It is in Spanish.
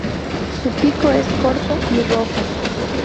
Su pico es corto y rojo.